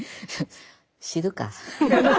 知るか。